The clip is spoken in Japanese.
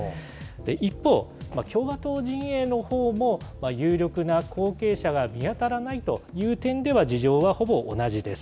一方、共和党陣営のほうも、有力な後継者が見当たらないという点では事情はほぼ同じです。